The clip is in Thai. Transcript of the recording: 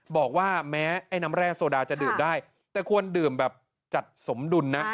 บอกว่าแม้ไอ้น้ำแร่โซดาจะดื่มได้แต่ควรดื่มแบบจัดสมดุลนะ